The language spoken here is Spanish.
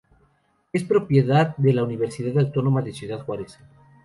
Es propiedad de la Universidad Autónoma de Ciudad Juárez.